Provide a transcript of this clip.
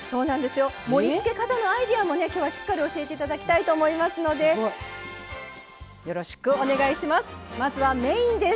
盛りつけ方のアイデアも今日はしっかり教えていただきたいと思いますのでよろしくお願いします。